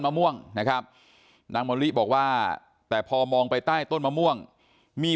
มะม่วงนะครับนางมะลิบอกว่าแต่พอมองไปใต้ต้นมะม่วงมี